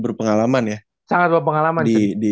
berpengalaman ya sangat berpengalaman